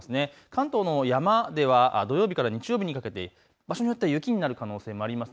関東の山では土曜日から日曜日にかけて場所によっては雪になる可能性もあります。